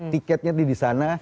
tiketnya di sana